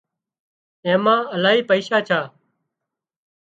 اين مان الاهي پئيشا ڇا